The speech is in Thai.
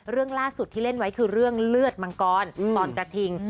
เรื่องล่าสุดที่เล่นไว้คือเรื่องเลือดมังกรตอนกระทิง